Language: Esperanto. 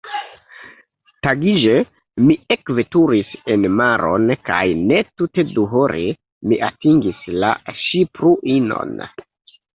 Tagiĝe, mi ekveturis enmaron kaj netute duhore, mi atingis la ŝipruinon.